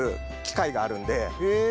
へえ。